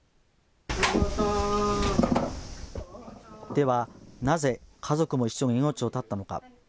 ではなぜ家族も一緒に命を絶ったのか。